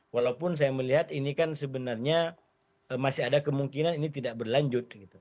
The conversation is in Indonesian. walaupun saya melihat ini kan sebenarnya masih ada kemungkinan ini tidak berlanjut